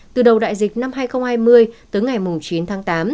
từ đầu đại dịch năm hai nghìn hai mươi tới ngày chín tháng tám